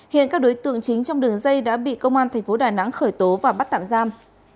hiện các đối tượng chính trong đường dây đã bị công an tp đà nẵng khởi tố và bắt tạm giam